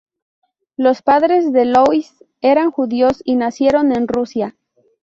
Los padres de Louis eran judíos y nacieron en Rusia.